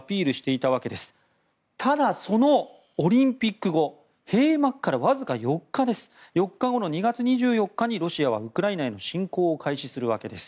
ただ、オリンピック後閉幕からわずか４日後の２月２４日にロシアはウクライナへの侵攻を開始するわけです。